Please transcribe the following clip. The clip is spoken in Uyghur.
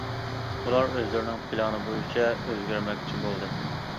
ئۇلار ئۆزلىرىنىڭ پىلانى بويىچە ئۆزگەرتمەكچى بولدى.